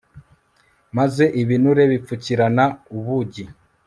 maze ibinure bipfukirana ubugi